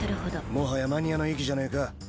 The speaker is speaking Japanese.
もはやマニアの域じゃねぇか。